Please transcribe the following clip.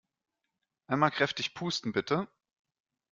Einmal kräftig pusten, bitte!